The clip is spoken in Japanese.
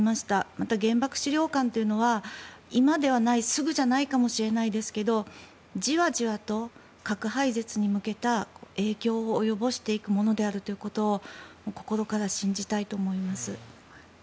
また、原爆資料館というのは今ではないすぐではないかもしれないですがじわじわと核廃絶に向けた影響を及ぼしていくものであるということを心から信じたいと思います。